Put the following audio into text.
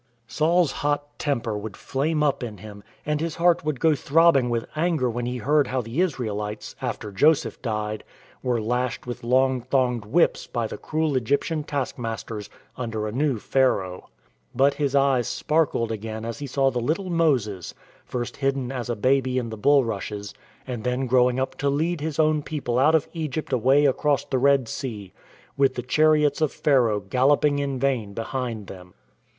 Saul's hot temper would flame up in him, and his THE LOOM OF THE TENT MAKER 33 heart would go throbbing with anger when he heard how the Israelites — after Joseph died — were lashed with long thonged whips by the cruel Egyptian task masters under a new Pharaoh. But his eyes sparkled again as he saw the little Moses, first hidden as a baby in the bulrushes, and then growing up to lead his own people out of Egypt away across the Red Sea, with the chariots of Pharaoh galloping in vain behind them.